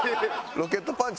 ロケットパンチ！